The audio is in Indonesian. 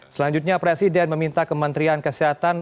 selanjutnya presiden meminta kementerian kesehatan